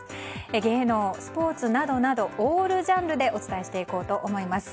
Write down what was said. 芸能、スポーツなどオールジャンルでお伝えしていこうと思います。